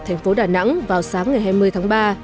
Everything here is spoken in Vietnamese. thành phố đà nẵng vào sáng ngày hai mươi tháng ba